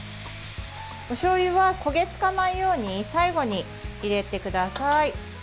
おしょうゆは焦げ付かないように最後に入れてください。